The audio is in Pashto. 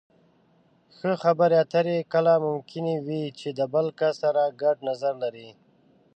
ښه خبرې اترې کله ممکنې وي چې د بل کس سره ګډ نظر لرئ.